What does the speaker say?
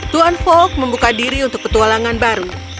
tuan folk membuka diri untuk petualangan baru